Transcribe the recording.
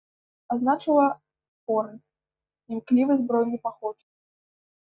Азначала споры, імклівы збройны паход.